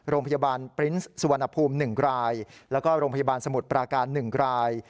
โรงพยาบาลปรินส์สุวรรณภูมิ๑รายแล้วก็โรงพยาบาลสมุทรปราการ๑ราย